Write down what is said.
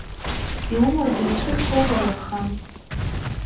Иумоугьы уцәыргома иахан.